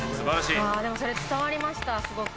あぁでもそれ伝わりましたスゴく。